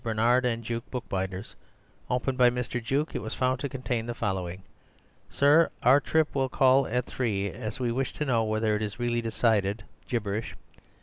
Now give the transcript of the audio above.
Bernard and Juke, bookbinders. Opened by Mr. Juke, it was found to contain the following: 'Sir, our Mr. Trip will call at 3, as we wish to know whether it is really decided 00000073bb!!!!!